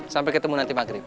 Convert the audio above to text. sampai ketemu nanti maghrib